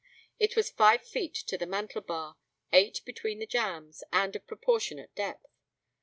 It was five feet to the mantel bar, eight between the jambs, and of proportionate depth.